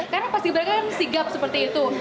karena pasti bener kan si gap seperti itu